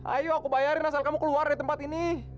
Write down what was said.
ayo aku bayarin asal kamu keluar di tempat ini